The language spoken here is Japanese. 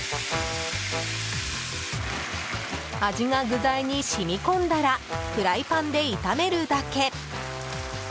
味が具材に染み込んだらフライパンで炒めるだけ。